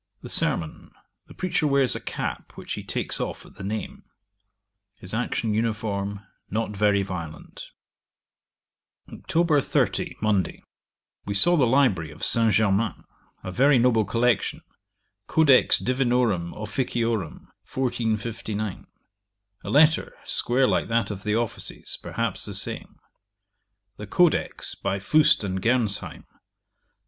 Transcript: The sermon; the preacher wears a cap, which he takes off at the name: his action uniform, not very violent. 'Oct. 30. Monday. We saw the library of St. Germain. A very noble collection. Codex Divinorum Officiorum, 1459: a letter, square like that of the Offices, perhaps the same. The Codex, by Fust and Gernsheym.